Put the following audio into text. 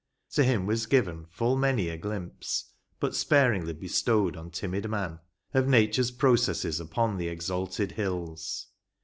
— To him was given Full many a glimpse (but sparingly bestowed On timid man) of Nature's processes Upon the exalted hills.